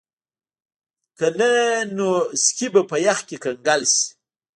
که نه نو سکي به په یخ کې کنګل شي